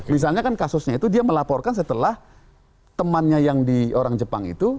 misalnya kan kasusnya itu dia melaporkan setelah temannya yang di orang jepang itu